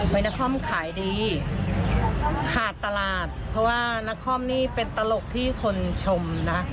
นาคอมขายดีขาดตลาดเพราะว่านักคอมนี่เป็นตลกที่คนชมนะ